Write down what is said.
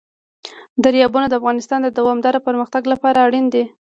دریابونه د افغانستان د دوامداره پرمختګ لپاره اړین دي.